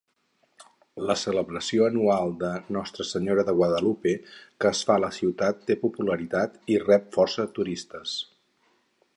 La celebració anual de Nostra Senyora de Guadalupe que es fa a la ciutat té popularitat i rep força turistes.